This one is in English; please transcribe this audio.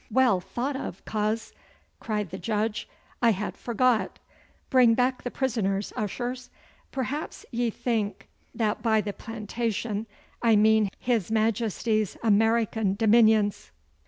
'Well thought of, coz,' cried the Judge. 'I had forgot. Bring back the prisoners, ushers! Perhaps ye think that by the Plantations I mean his Majesty's American dominions.